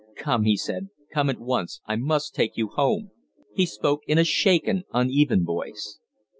"Come!" he said. "Come at once! I must take you home." He spoke in a shaken, uneven voice.